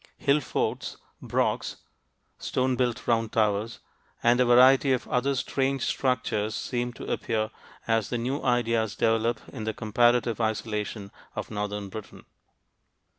Hill forts, "brochs" (stone built round towers) and a variety of other strange structures seem to appear as the new ideas develop in the comparative isolation of northern Britain.